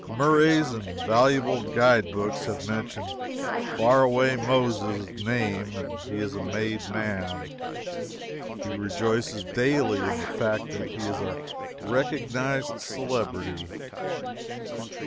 Murray's invaluable guide books have mentioned 'Far away Moses' name, and he is a made man. He rejoices daily in the fact that he is a recognized celebrity.